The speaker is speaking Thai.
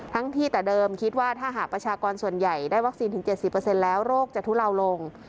ที่แต่เดิมคิดว่าถ้าหากประชากรส่วนใหญ่ได้วัคซีนถึง๗๐แล้วโรคจะทุเลาลง